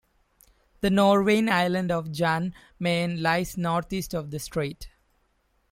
The Norwegian island of Jan Mayen lies northeast of the strait.